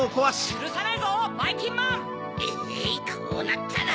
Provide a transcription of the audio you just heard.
えいこうなったら！